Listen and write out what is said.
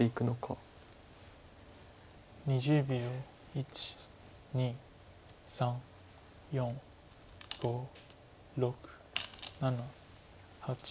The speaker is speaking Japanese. １２３４５６７８。